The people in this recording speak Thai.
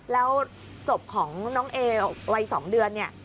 แล้วศพของน้องเอวัย๒เดือนเนี่ย